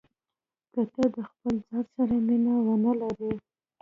که ته د خپل ځان سره مینه ونه لرې.